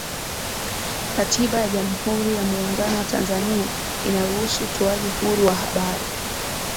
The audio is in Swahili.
katiba ya jamhuri ya muungano wa tanzania inaruhusu utoaji huru wa habari